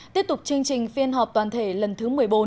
tiếp tục chương trình phiên họp toàn thể lần thứ một mươi bốn